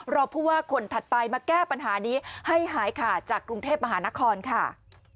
รอผู้ว่าคนถัดไปมาแก้ปัญหานี้ให้หายขาดจากกรุงเทพมหานครค่ะ